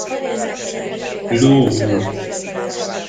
Ló úr!